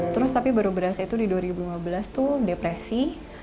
terus tapi baru berasa itu di dua ribu lima belas tuh depresi